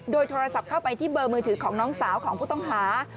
โดยโทรศัพท์เข้าไปที่เบอร์มือถือของน้องสาวของผู้ต้องหา